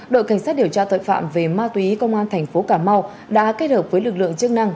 đội cảnh sát điều tra tội phạm về ma túy công an thành phố cà mau đã kết hợp với lực lượng chức năng